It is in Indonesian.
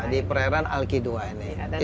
di perairan alti dua ini